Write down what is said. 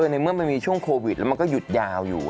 ในเมื่อมันมีช่วงโควิดแล้วมันก็หยุดยาวอยู่